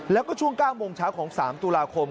แล้วก็ช่วง๙โมงเช้าของ๓ตุลาคม